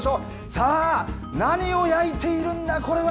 さあ、何を焼いているんだこれは。